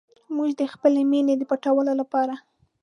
موږ د خپلې مینې د پټولو لپاره.